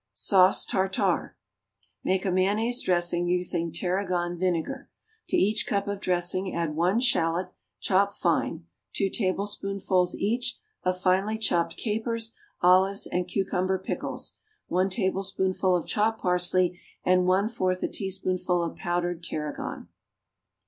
=Sauce Tartare.= Make a mayonnaise dressing, using tarragon vinegar. To each cup of dressing add one shallot, chopped fine, two tablespoonfuls, each, of finely chopped capers, olives and cucumber pickles, one tablespoonful of chopped parsley, and one fourth a teaspoonful of powdered tarragon.